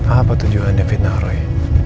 apa tujuannya fitnah roy